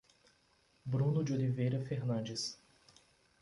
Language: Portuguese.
Bruno de Oliveira Fernandes